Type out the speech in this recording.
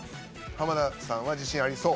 濱田さんは自信ありそう。